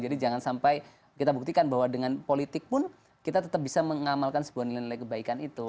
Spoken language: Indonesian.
jadi jangan sampai kita buktikan bahwa dengan politik pun kita tetap bisa mengamalkan sebuah nilai nilai kebaikan itu